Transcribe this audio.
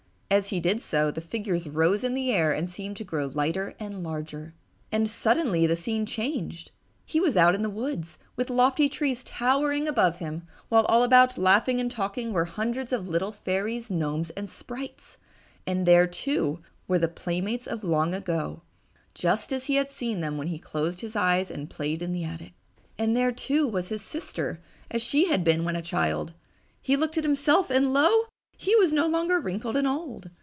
As he did so, the figures rose in the air and seemed to grow lighter and larger. And suddenly the scene changed! He was out in the woods, with lofty trees towering above him, while all about, laughing and talking, were hundreds of little fairies, gnomes and sprites, and there, too, were the playmates of long ago, just as he had seen them when he had closed his eyes and played in the attic. And there, too, was his sister as she had been when a child. He looked at himself, and lo! he was no longer wrinkled and old.